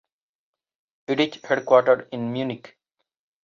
It is headquartered in Munich.